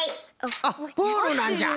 あっプールなんじゃ。